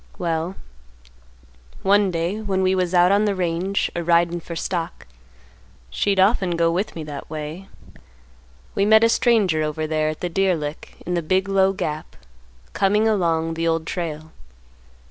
"Well, one day, when we was out on the range a ridin' for stock—she'd often go with me that way—we met a stranger over there at the deer lick in the big low gap, coming along the Old Trail.